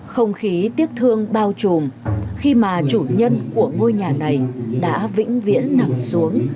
không khí tiếc thương bao trùm khi mà chủ nhân của ngôi nhà này đã vĩnh viễn nằm xuống